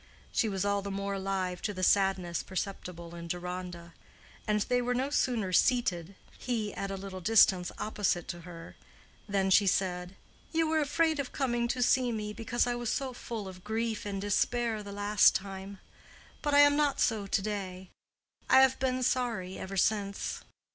She was all the more alive to the sadness perceptible in Deronda; and they were no sooner seated—he at a little distance opposite to her—than she said: "You were afraid of coming to see me, because I was so full of grief and despair the last time. But I am not so to day. I have been sorry ever since.